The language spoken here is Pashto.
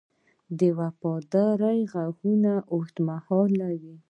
د وفادارۍ ږغونه اوږدمهاله وي.